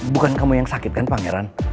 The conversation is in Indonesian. bukan kamu yang sakit kan pangeran